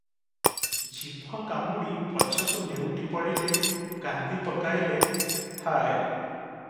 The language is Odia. ଜିଭ କାମୁଡ଼ି ପଛକୁ ନେଉଟି ପଡ଼ିଲେ, କାନ୍ଦି ପକାଇଲେ, ‘ହାୟ!